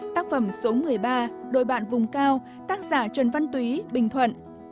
tác phẩm số một mươi ba đôi bạn vùng cao tác giả trần văn túy bình thuận